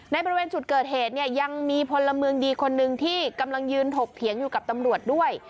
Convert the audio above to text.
ในบริเวณจุดเกิดเหตุเนี่ยยังมีพลเมืองดีคนหนึ่งที่กำลังยืนถกเถียงอยู่กับตำรวจด้วย